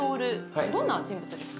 どんな人物ですか？